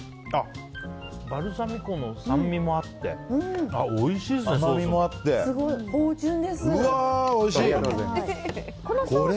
バルサミコの酸味もあっておいしいですね、ソース。